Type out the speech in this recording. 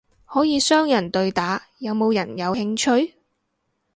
可以雙人對打，有冇人有興趣？